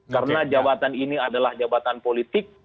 karena jabatan ini adalah jabatan politik